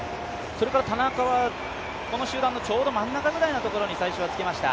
田中はこの集団のちょうど真ん中ぐらいのところに最初はつけました。